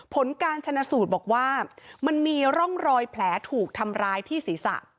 ผลการชนะสูตรบอกว่ามันมีร่องรอยแผลถูกทำร้ายที่ศีรษะ